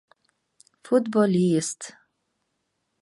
Футболист!